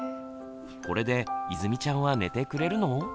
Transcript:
これでいずみちゃんは寝てくれるの？